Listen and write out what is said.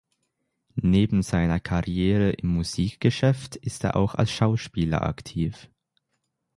Neben seiner Karriere im Musikgeschäft ist er auch als Schauspieler aktiv.